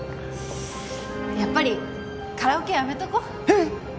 やっぱりカラオケやめとこえっ？